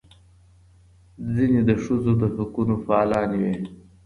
ځینې د ښځو د حقونو فعالانې وې.